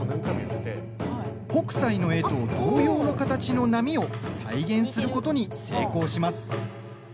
北斎の絵と同様の形の波を再現することに成功します。